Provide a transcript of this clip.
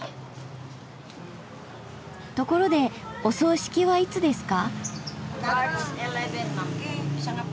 ところでお葬式はいつですか？